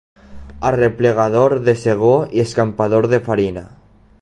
Arreplegador de segó i escampador de farina.